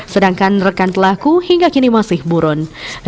sedangkan rekan pelaku hingga kini masih burun